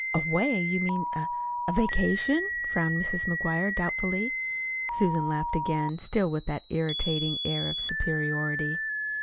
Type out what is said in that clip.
"Away! You mean a a vacation?" frowned Mrs. McGuire doubtfully. Susan laughed again, still with that irritating air of superiority.